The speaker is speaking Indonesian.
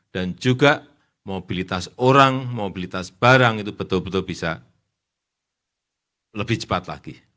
dan juga mobilitas orang mobilitas barang itu betul betul bisa lebih cepat lagi